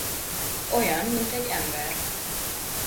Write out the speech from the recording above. Olyan, mint egy ember!